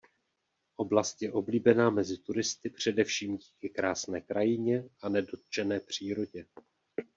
Oblast je oblíbená mezi turisty především díky krásné krajině a nedotčené přírodě.